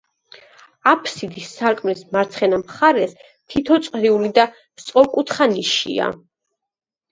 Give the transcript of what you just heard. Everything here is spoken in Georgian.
აფსიდის სარკმლის მარცხენა მხარეს თითო წრიული და სწორკუთხა ნიშია.